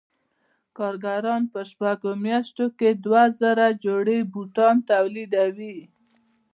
کارګران په شپږو میاشتو کې دوه زره جوړې بوټان تولیدوي